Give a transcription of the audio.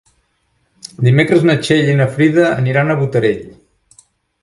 Dimecres na Txell i na Frida aniran a Botarell.